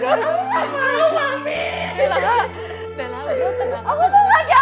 dokter yang bilang tetiasa